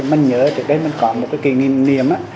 mình nhớ trước đây mình có một cái kỷ niệm